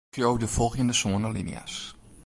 Skriuw de folgjende sân alinea's.